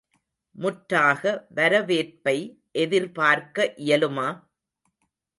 முற்றாக வரவேற்பை எதிர்பார்க்க இயலுமா?